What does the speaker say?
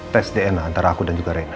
tes dna antara aku dan juga rena